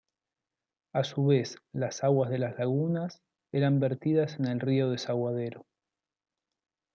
A su vez, las aguas de las lagunas eran vertidas en el río Desaguadero.